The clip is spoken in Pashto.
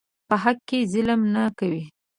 په حق کې ظلم نه کوي.